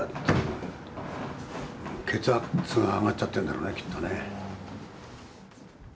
血圧が上がっちゃってんだろうねきっとね。